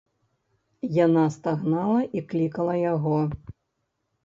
Яна стагнала і клікала яго.